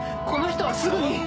この人はすぐに。